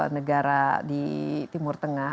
negara di timur tengah